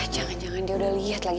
jangan jangan dia udah lihat lagi